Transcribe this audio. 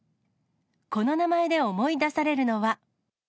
この名前で思い出されるのは。